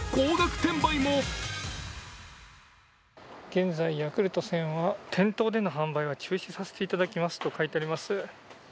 現在、ヤクルト１０００は店頭での販売は中止させていただきますと書いてあります。